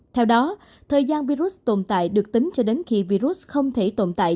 theo đó thời gian virus tồn tại được tính cho đến khi virus không thể tồn tại